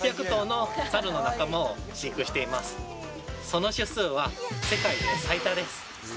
その種数は世界で最多です